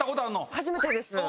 初めてです。